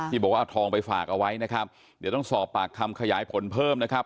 บอกว่าเอาทองไปฝากเอาไว้นะครับเดี๋ยวต้องสอบปากคำขยายผลเพิ่มนะครับ